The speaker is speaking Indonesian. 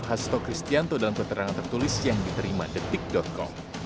hasto kristianto dalam keterangan tertulis yang diterima detik com